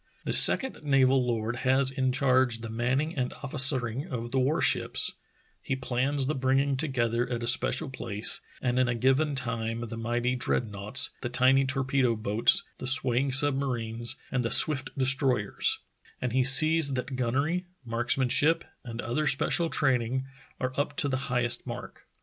The second naval lord has in charge the manning and officering of the war ships; he plans the bringing together at a special place and in a given time the mighty dreadnoughts, the tiny torpedo boats, the swaying submarines, and the swift destroy ers; and he sees that gunnery, marksmanship, and other special training are up to the highest mark.